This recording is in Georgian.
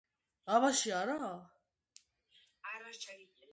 სიმღერის ავტორია მეთიუ ბელამი.